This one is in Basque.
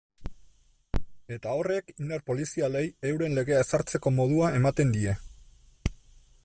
Eta horrek indar polizialei euren legea ezartzeko modua ematen die.